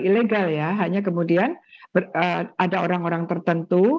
ilegal ya hanya kemudian ada orang orang tertentu